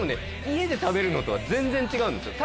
家で食べるのとは全然違うんですよ